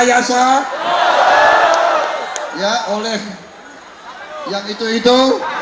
rakyat kaya sahab ya oleh yang itu itu